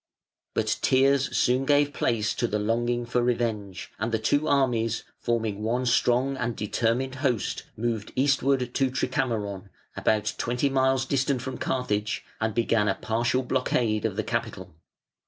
But tears soon gave place to the longing for revenge, and the two armies, forming one strong and determined host, moved eastward to Tricamaron, about twenty miles distant from Carthage, and began a partial blockade of the capital.